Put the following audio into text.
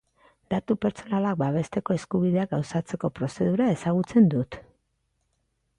Datu pertsonalak babesteko eskubideak gauzatzeko prozedura ezagutzen dut.